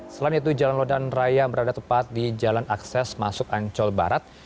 selain itu jalan lodan raya berada tepat di jalan akses masuk ancol barat